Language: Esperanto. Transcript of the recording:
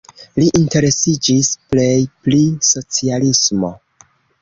Li interesiĝis plej pri socialismo.